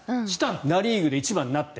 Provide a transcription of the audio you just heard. ナ・リーグで１番になって。